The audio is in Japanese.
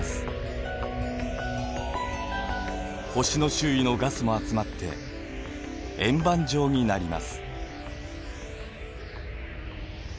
星の周囲のガスも集まって円盤状になります。